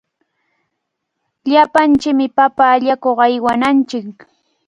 Llapanchikmi papa allakuq aywananchik.